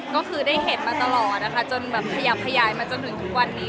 ก็คือได้เห็นมาตลอดนะคะจนแบบขยับขยายมาจนถึงทุกวันนี้